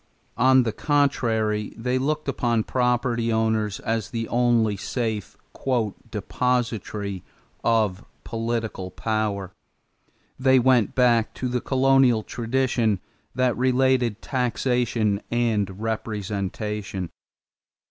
On the contrary they looked upon property owners as the only safe "depositary" of political power. They went back to the colonial tradition that related taxation and representation.